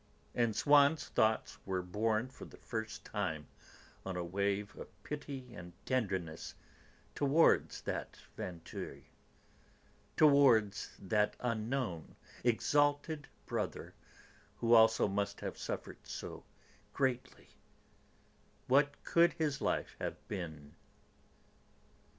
And Swann's thoughts were borne for the first time on a wave of pity and tenderness towards that Vinteuil, towards that unknown, exalted brother who also must have suffered so greatly; what could his life have been?